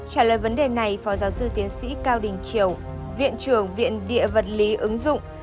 trả lời vấn đề này phó giáo sư tiến sĩ cao đình triều viện trưởng viện địa vật lý ứng dụng